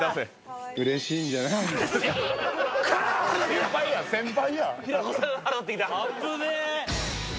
先輩や、先輩。